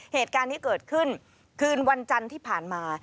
เหตุการณ์นี้เกิดขึ้นคืนวันจันทร์ที่ผ่านมา